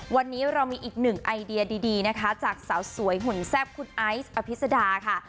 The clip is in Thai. วันนี้เรามีอีกหนึ่งไอเดียดีนะคะจากสาวสวยหุ่นแซ่บคุณไอซ์อภิษดาค่ะ